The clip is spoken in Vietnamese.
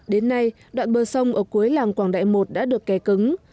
đến nay đoạn bờ sông ở cuối làng quảng đại một đã được kè cứng